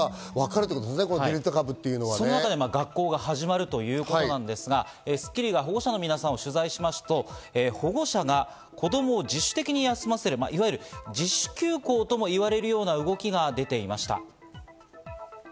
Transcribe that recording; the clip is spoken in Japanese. その中で学校が始まるということなんですが『スッキリ』が保護者の皆さんを取材しますと保護者が子供を自主的に休ませるいわゆる自主休校ともいわれる動きが出てきました。